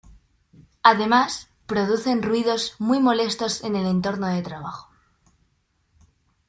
Además, producen ruidos muy molestos en el entorno de trabajo.